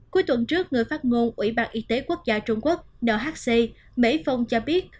cuối tuần trước người phát ngôn ủy ban y tế quốc gia trung quốc nhc mỹ phong cho biết